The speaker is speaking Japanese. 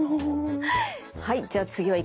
はい。